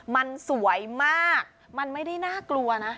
มันสวยมากมันไม่ได้น่ากลัวนะ